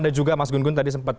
dan juga mas gun gun tadi sempat